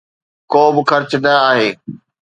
ڪو به خرچ نه آهي.